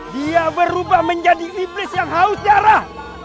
dia berubah menjadi iblis yang haus darah